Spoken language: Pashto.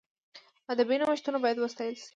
ادبي نوښتونه باید وستایل سي.